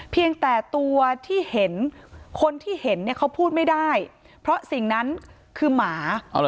เพียงแต่ตัวที่เห็นคนที่เห็นเนี่ยเขาพูดไม่ได้เพราะสิ่งนั้นคือหมา